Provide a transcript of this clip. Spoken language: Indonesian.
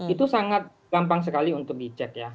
itu sangat gampang sekali untuk dicek ya